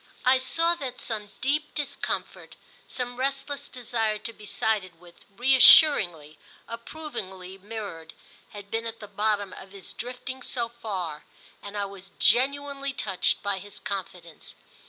I saw that some deep discomfort, some restless desire to be sided with, reassuringly, approvingly mirrored, had been at the bottom of his drifting so far, and I was genuinely touched by his confidence.